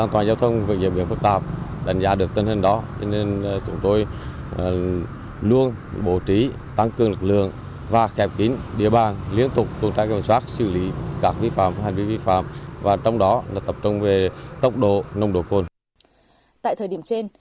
tại thời điểm trên